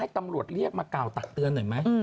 ตำรวจเรียกมากล่าวตักเตือนหน่อยไหม